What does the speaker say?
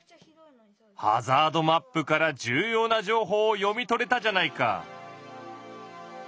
ハザードマップから重要な情報を読み取れたじゃないか！